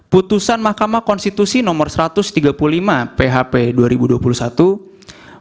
putusan mahkamah konstitusi nomor satu ratus tiga puluh lima php dua ribu dua puluh satu